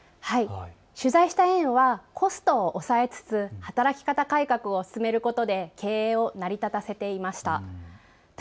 取材した園はコストを抑えつつ働き方改革を進めることで経営を成り立たせていました。